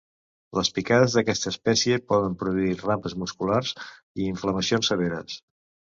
Les picades d'aquesta espècie poden produir rampes musculars i inflamacions severes.